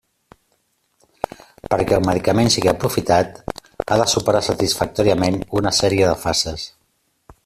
Perquè el medicament sigui aprofitat ha de superar satisfactòriament una sèrie de fases.